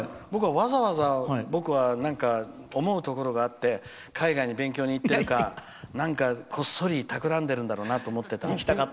僕はわざわざ思うところがあって海外に勉強に行ったか何かこっそりたくらんでいるんだろうなと思ってたんだけど。